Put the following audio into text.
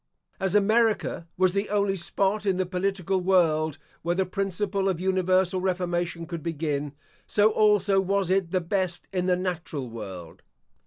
As America was the only spot in the political world where the principle of universal reformation could begin, so also was it the best in the natural world.